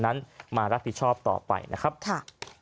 นั้นมารับผิดชอบต่อไปนะครับค่ะ